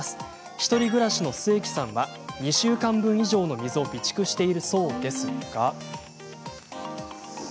１人暮らしの居樹さんは２週間分以上の水を備蓄しているそうですが。